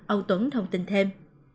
ông tuấn thông tin thêm